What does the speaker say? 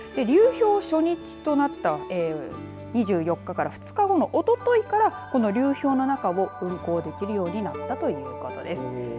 流氷初日となった２４日から２日後のおとといからこの流氷の中を運航できるようになったということです。